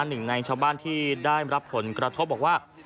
หนึ่งในชาวบ้านที่ได้รับผลกระทบบอกว่า